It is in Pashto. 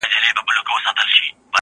نثر يې بېل رنګ لري ښکاره-